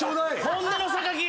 本音の榊！